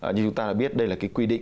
như chúng ta đã biết đây là cái quy định